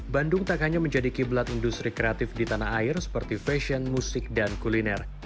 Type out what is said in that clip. bandung tak hanya menjadi kiblat industri kreatif di tanah air seperti fashion musik dan kuliner